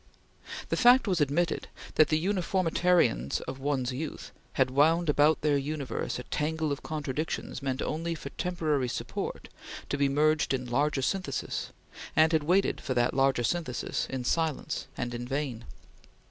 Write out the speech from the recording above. The fact was admitted that the uniformitarians of one's youth had wound about their universe a tangle of contradictions meant only for temporary support to be merged in "larger synthesis," and had waited for the larger synthesis in silence and in vain.